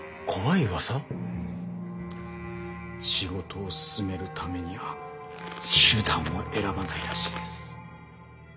仕事を進めるためには手段を選ばないらしいです。